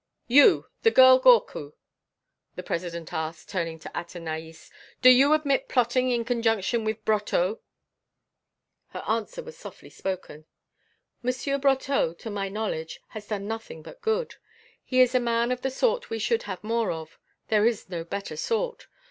"You, the girl Gorcut," the President asked, turning to Athenaïs, "do you admit plotting in conjunction with Brotteaux?" Her answer was softly spoken: "Monsieur Brotteaux, to my knowledge, has done nothing but good. He is a man of the sort we should have more of; there is no better sort.